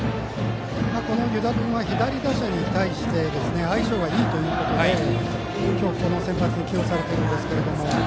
湯田君は左打者に対して相性がいいということで今日、先発で起用されているんですけれども。